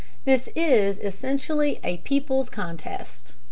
This is essentially a people's contest.